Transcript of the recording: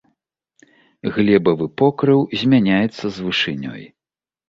Глебавы покрыў змяняецца з вышынёй.